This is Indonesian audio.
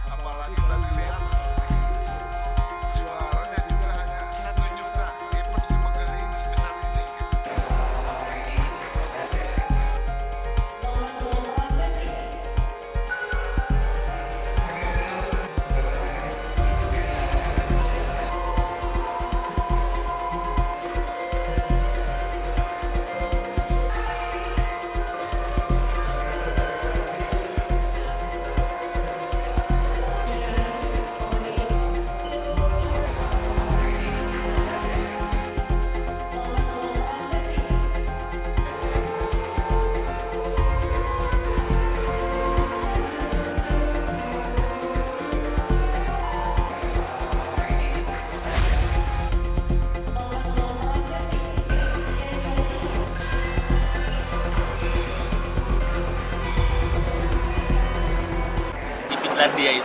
apalagi tadi lihat juaranya juga hanya satu juta kepen sebegainya sebesar ini